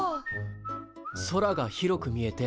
空が広く見えて。